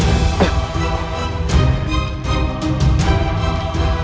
biar aku berdaya saja paman